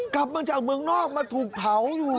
กลับมาจากเมืองนอกมาถูกเผาอยู่